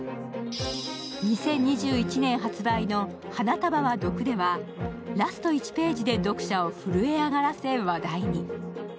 ２０２１年発売の「花束は毒」ではラスト１ページで読者を震え上がらせ、話題に。